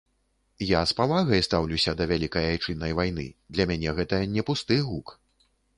Я з павагай стаўлюся да вялікай айчыннай вайны, для мяне гэта не пусты гук.